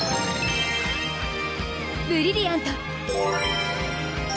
ブリリアント！